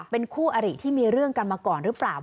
เป็นคู่อริที่มีเรื่องกันมาก่อนหรือเปล่า